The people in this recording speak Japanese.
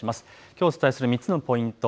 きょうお伝えする３つのポイント